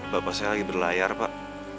bapak saya lagi berlayar pak